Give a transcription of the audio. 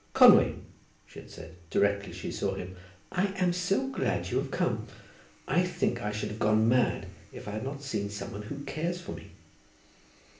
"Conway," she had said, directly she saw him, "I am so glad you have come. I think I should have gone mad if I had not seen some one who cares for me."